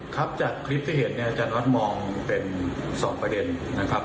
ครับจากคลิปที่เห็นเนี่ยอาจารย์วัดมองเป็น๒ประเด็นนะครับ